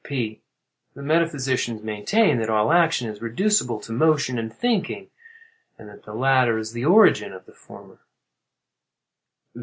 P. The metaphysicians maintain that all action is reducible to motion and thinking, and that the latter is the origin of the former.